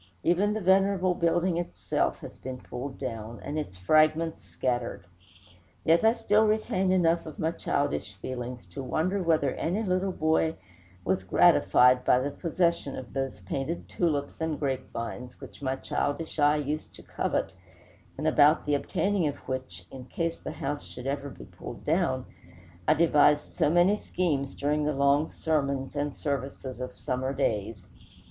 Even the venerable building itself has been pulled down, and its fragments scattered; yet still I retain enough of my childish feelings to wonder whether any little boy was gratified by the possession of those painted tulips and grapevines, which my childish eye used to covet, and about the obtaining of which, in case the house should ever be pulled down, I devised so many schemes during the long sermons and services of summer days.